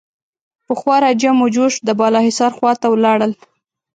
په خورا جم و جوش د بالاحصار خوا ته ولاړل.